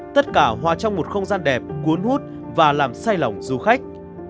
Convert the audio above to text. tất cả hòa trong một không gian đẹp cuốn hút và làm say lỏng du khách